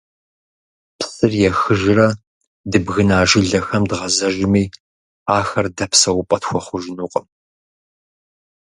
Псыр ехыжрэ, дыбгына жылэхэм дгъэзэжми, ахэр дэ псэупӀэ тхуэхъужынукъым.